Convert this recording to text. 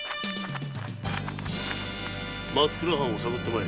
松倉藩を探って参れ。